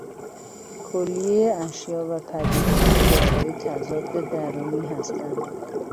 کلیهٔ اشیا و پدیده ها دارای تضاد درونی هستند.